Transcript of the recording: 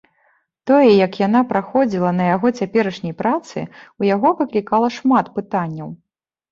Тое, як яна праходзіла на яго цяперашняй працы, у яго выклікала шмат пытанняў.